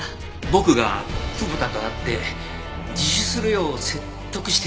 僕が久保田と会って自首するよう説得してみます。